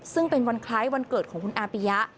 ซึ่งเป็นวันคล้ายวันเกิดของคุณอาปิยะ